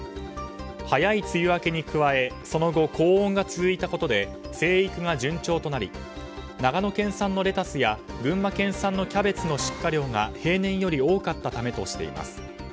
早い梅雨明けに加えその後、高温が続いたことで生育が順調となり長野県産のレタスや群馬県産のキャベツの出荷量が平年より多かったためとしています。